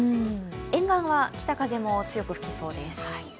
沿岸は北風も、強く吹きそうです。